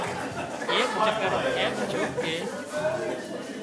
ايڪ چڪر ايم ڇُون ڪي